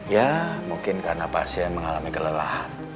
ya mungkin karena pasien mengalami kelelahan